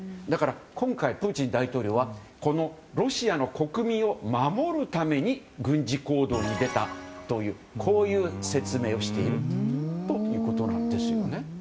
だから、今回プーチン大統領はこのロシアの国民を守るために軍事行動に出たという説明をしているわけなんです。